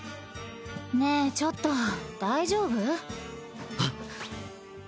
ねえちょっと大丈夫？